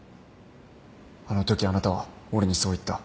あのときあなたは俺にそう言った。